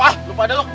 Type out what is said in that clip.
oh ah lupa dah lo